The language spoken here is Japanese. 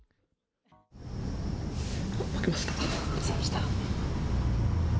負けました。